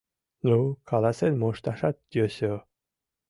Ну... каласен мошташат йӧсӧ.